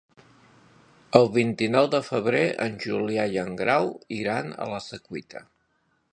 El vint-i-nou de febrer en Julià i en Grau iran a la Secuita.